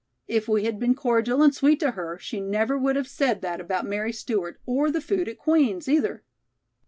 If we had been cordial and sweet to her, she never would have said that about Mary Stewart or the food at Queen's, either."